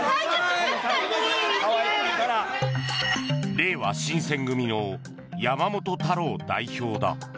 れいわ新選組の山本太郎代表だ。